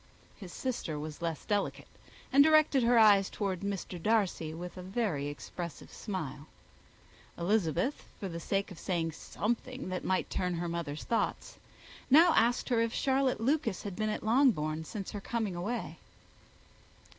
His sister was less delicate, and directed her eye towards Mr. Darcy with a very expressive smile. Elizabeth, for the sake of saying something that might turn her mother's thoughts, now asked her if Charlotte Lucas had been at Longbourn since her coming away.